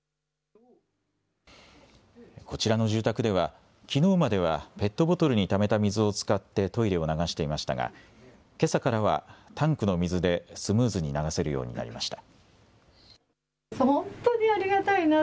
こちらの住宅では、きのうまでは、ペットボトルにためた水を使ってトイレを流していましたが、けさからはタンクの水でスムーズに流せるようになりました。